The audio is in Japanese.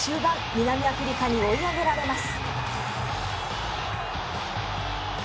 南アフリカに追い上げられます。